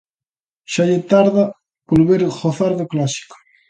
Xa lle tarda volver gozar do clásico.